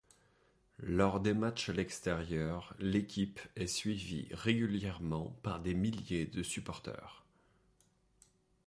Lors des matchs à l'extérieur, l'équipe est suivie régulièrement par des milliers de supporteurs.